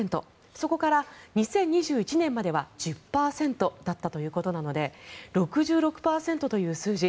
そこから２０２１年までは１０％だったということなので６６％という数字